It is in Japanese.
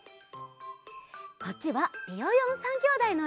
こっちはビヨヨン３きょうだいのえ。